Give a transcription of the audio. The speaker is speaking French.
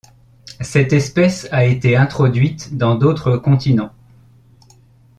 Cette espèce a été introduite dans d'autres continents.